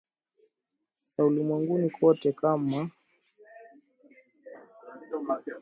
za ulimwenguni kote km makadirio ya uchafuzi ya